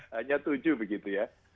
hanya tujuh begitu ya